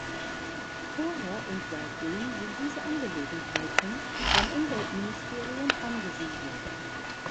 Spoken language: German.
Vorher und seitdem sind diese Angelegenheiten beim Umweltministerium angesiedelt.